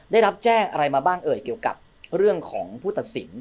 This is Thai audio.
ได้รับแจ้งอะไรมาบ้างเอ่ยเกี่ยวกับเรื่องของผู้ตัดสิน